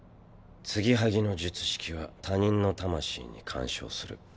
継ぎはぎの術式は他人の魂に干渉する。